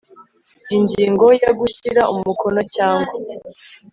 ingingo ya gushyira umukono cyangwa